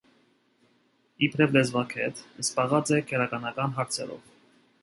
Իբրեւ լեզուագէտ, զբաղած է քերականական հարցերով։